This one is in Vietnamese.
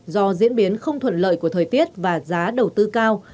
do diễn biến không thuận lợi của thời tiết và giá đầu tư cao